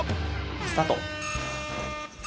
スタート。